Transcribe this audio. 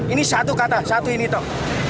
ini satu kata satu ini tok